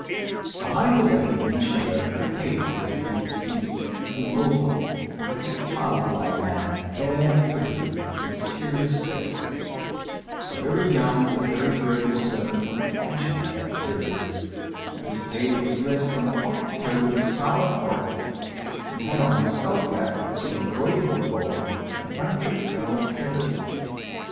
Behind the lady, in the shadow, her page was to be perceived, el mozo, a little child like man, fair and pretty, with a serious face. A very young and very grave servant was the fashion at that period. This page was dressed from top to toe in scarlet velvet, and had on his skull cap, which was embroidered with gold, a bunch of curled feathers.